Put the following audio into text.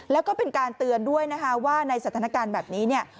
แล้วก็เป็นการเตือนด้วยนะคะว่าในสถานการณ์แบบนี้เนี่ย